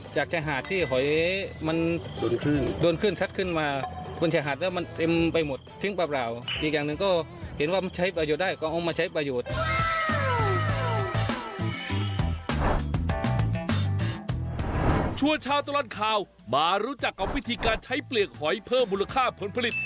ชาวตลอดข่าวมารู้จักกับวิธีการใช้เปลือกหอยเพิ่มมูลค่าผลผลิต